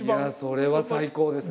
それは最高ですね。